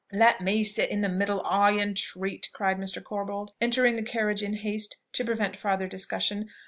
"Let me sit in the middle, I entreat!" cried Mr. Corbold, entering the carriage in haste, to prevent farther discussion.